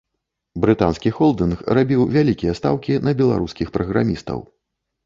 Брытанскі холдынг рабіў вялікія стаўкі на беларускіх праграмістаў.